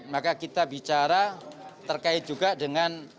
maka kita bicara terkait juga dengan